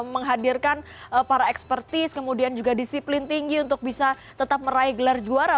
menghadirkan para ekspertis kemudian juga disiplin tinggi untuk bisa tetap meraih gelar juara